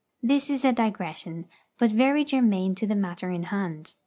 This is a digression, but very germane to the matter in hand.